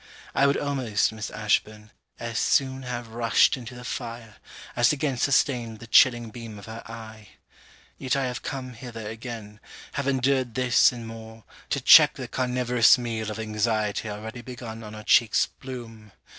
I would almost, Miss Ashburn, as soon have rushed into the fire, as again sustained the chilling beam of her eye. Yet I have come hither again, have endured this and more, to check the carniverous meal of anxiety already begun on her cheek's bloom.